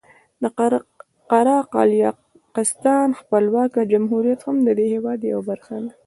د قره قالیاقستان خپلواکه جمهوریت هم د دې هېواد یوه برخه ده.